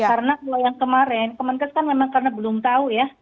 karena yang kemarin kemengkes kan memang karena belum tahu ya